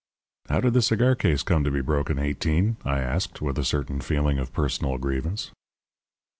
"How did the cigar case come to be broken, Eighteen?" I asked, with a certain feeling of personal grievance.